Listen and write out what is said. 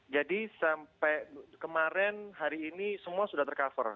jadi sampai kemarin hari ini semua sudah tercover